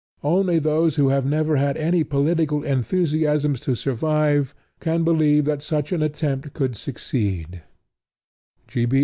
Only those who have never had any political enthusiasms to survive can believe that such an attempt could succeed.